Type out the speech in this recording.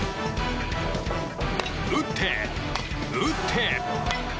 打って、打って。